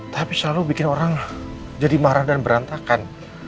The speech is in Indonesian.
tapi selalu bikin orang jadi marah dan berantakan